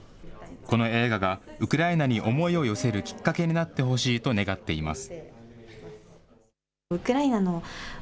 この映画がウクライナに思いを寄せるきっかけになってほしいと願っています。